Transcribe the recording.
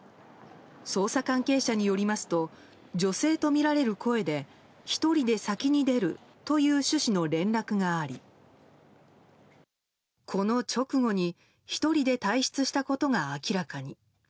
捜査関係者によりますと女性とみられる声で１人で先に出るという趣旨の連絡がありこの直後に１人で退室したことが明らかに。